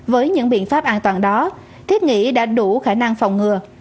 với những biện pháp an toàn đó thiết nghĩ đã đủ khả năng phòng ngừa